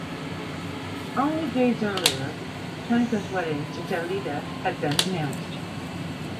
Only days earlier, Tenco's wedding to Dalida had been announced.